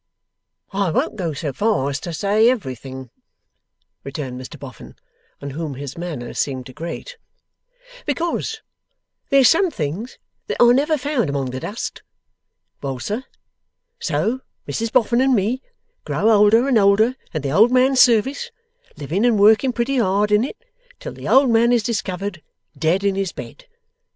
'I won't go so far as to say everything,' returned Mr Boffin, on whom his manner seemed to grate, 'because there's some things that I never found among the dust. Well, sir. So Mrs Boffin and me grow older and older in the old man's service, living and working pretty hard in it, till the old man is discovered dead in his bed.